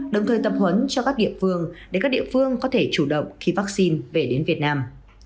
đồng thời tập huấn cho các địa phương để các địa phương có thể chủ động khi vaccine về đến việt nam